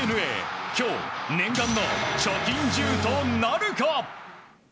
今日、念願の貯金１０となるか？